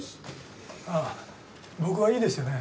あっ僕はいいですよね。